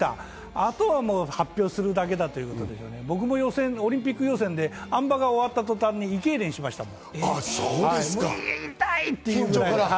あとは発表するだけだと、僕もオリンピック予選で、あん馬が終わった途端に胃けいれんしましたもん。